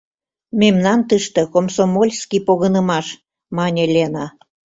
— Мемнан тыште комсомольский погынымаш, — мане Лена.